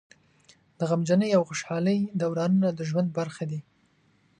د غمجنۍ او خوشحالۍ دورانونه د ژوند برخه دي.